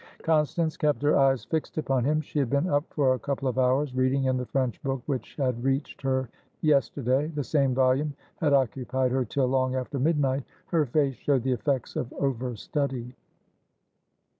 Constance kept her eyes fixed upon him. She had been up for a couple of hours, reading in the French book which had reached her yesterday. The same volume had occupied her till long after midnight. Her face showed the effects of over study.